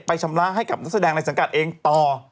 ชำระให้กับนักแสดงในสังกัดเองต่อ